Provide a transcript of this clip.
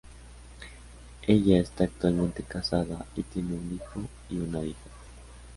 Ella está actualmente casada y tiene un hijo y una hija.